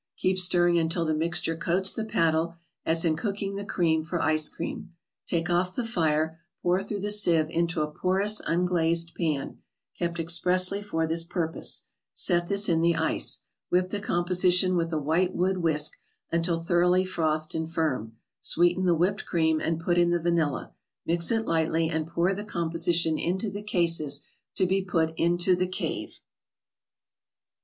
Keep stirring until the mixture coats the paddle (as in cooking the cream for ice cream). Take off the fire, pour through the sieve into a porous unglazed pan, kept expressly for this purpose. Set this in the ice. Whip the composition with a white wood whisk, until thoroughly frothed and firm. Sweeten the whipped cream, and put in the vanilla. Mix it lightly, and pour the composition into the cases, to be put into the cave.